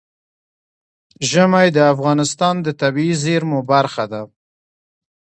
ژمی د افغانستان د طبیعي زیرمو برخه ده.